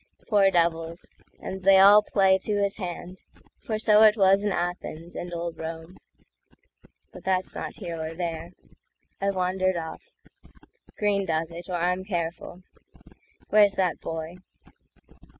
Poor devils! and they all play to his hand; For so it was in Athens and old Rome.But that's not here or there; I've wandered off. Greene does it, or I'm careful. Where's that boy?